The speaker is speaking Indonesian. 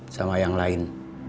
sama yang lain